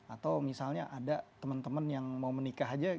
atau misalnya ada teman teman yang mau menikah aja